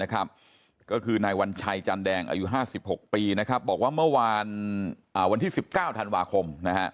ก็คือนายวัญชัยจันแดงอายุ๕๖ปีบอกว่าเมื่อวานวันที่๑๙ธันวาคม